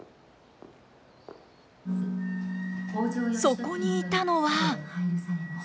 そこにいたのは。